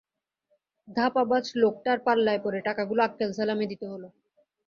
ধাপাবাজ লােকটার পাল্লায় পড়ে টাকাগুলাে আক্কেল সেলামি দিতে হলাে।